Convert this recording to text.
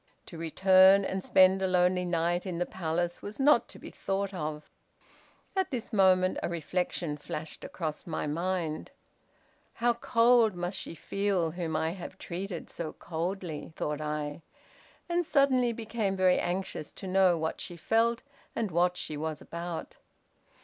To return and spend a lonely night in the palace was not to be thought of. At this moment a reflection flashed across my mind. 'How cold must she feel whom I have treated so coldly,' thought I, and suddenly became very anxious to know what she felt and what she was about.